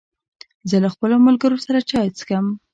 زه له خپلو ملګرو سره چای څښم.